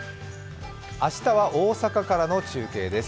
明日は大阪からの中継です